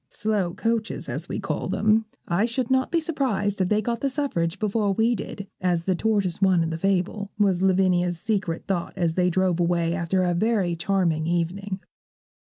Slow coaches as we call them, I should not be surprised if they got the suffrage before we did, as the tortoise won in the fable,' was Lavinia's secret thought as they drove away, after a very charming evening.